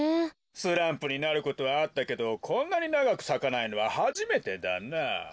スランプになることはあったけどこんなにながくさかないのははじめてだなあ。